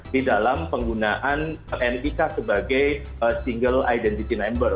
di dalam penggunaan nik sebagai single identity number